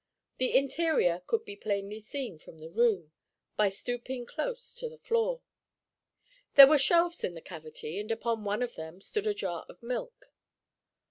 The interior could be plainly seen from the room, by stooping close to the floor. There were shelves in the cavity and upon one of them stood a jar of milk.